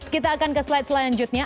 kita akan ke slide selanjutnya